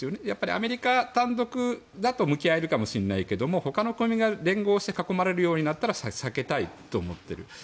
やっぱりアメリカ単独だと向き合えるかもしれないけど他の国が連合して囲まれるようになったら避けたいと思っている。